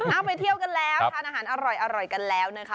เอาไปเที่ยวกันแล้วทานอาหารอร่อยกันแล้วนะคะ